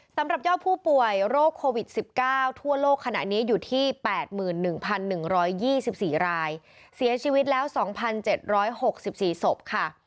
สำหรับยอดผู้ป่วยโรคโควิด๑๙ทั่วโลกขณะนี้อยู่ที่๘๑๑๒๔รายเสียชีวิตแล้ว๒๗๖๔ศพค่ะ